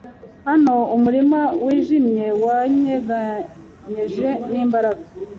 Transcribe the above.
Hano umurima wijimye wanyeganyeje n'imbaraga